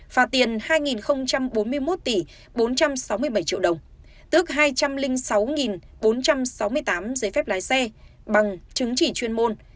phạt tiền hai bốn mươi một tỷ bốn trăm sáu mươi bảy triệu đồng tức hai trăm linh sáu bốn trăm sáu mươi tám giấy phép lái xe bằng chứng chỉ chuyên môn